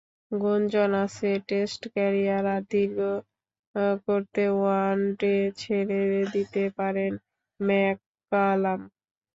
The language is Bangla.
গুঞ্জন আছে, টেস্ট ক্যারিয়ার আরও দীর্ঘ করতে ওয়ানডে ছেড়ে দিতে পারেন ম্যাককালাম।